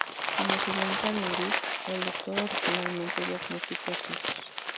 Como sirvienta de Griggs, el doctor originalmente diagnosticó hechizos.